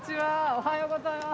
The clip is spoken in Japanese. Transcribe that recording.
おはようございます。